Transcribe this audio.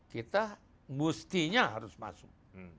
kita mustinya harus masuk